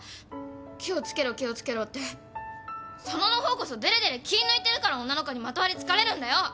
気を付けろ気を付けろって佐野の方こそでれでれ気抜いてるから女の子にまとわりつかれるんだよ！